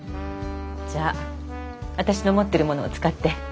じゃあ私の持ってるものを使って。